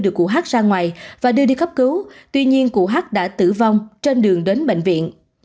được cụ h ra ngoài và đưa đi khắp cứu tuy nhiên cụ h đã tử vong trên đường đến bệnh viện